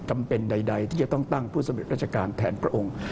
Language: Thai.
จำเป็นใดที่จะต้องตั้งผู้สำเร็จราชการแทนพระองค์